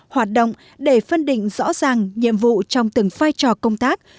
hoạt động để phân định rõ ràng nhiệm vụ trong từng vai trò công tác